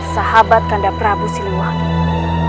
sahabat kanda prabu siliwangi